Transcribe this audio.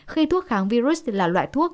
khi thuốc kháng virus là loại thuốc